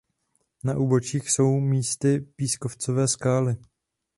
Na úbočích jsou místy pískovcové skály.